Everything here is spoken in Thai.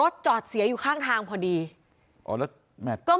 แซ็คเอ้ยเป็นยังไงไม่รอดแน่